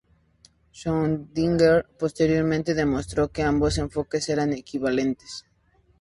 Schrödinger posteriormente demostró que ambos enfoques eran equivalentes.